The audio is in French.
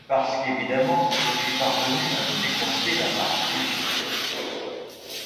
Parce qu’évidemment, je suis parvenu à me décoincer la paraplégie.